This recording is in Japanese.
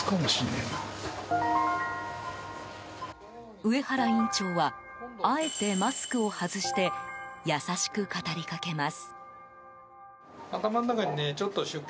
上原院長はあえてマスクを外して優しく語りかけます。